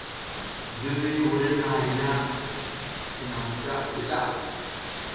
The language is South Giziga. Ziriy wurenahay na cinam ta ndiɗa.